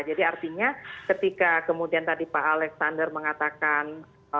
jadi artinya ketika kemudian tadi pak alexander mengatakan